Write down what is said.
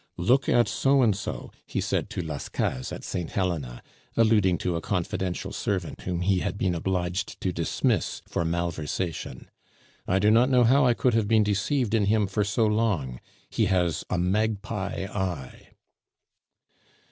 "Look at So and so," he said to Las Cases at Saint Helena, alluding to a confidential servant whom he had been obliged to dismiss for malversation. "I do not know how I could have been deceived in him for so long; he has a magpie eye."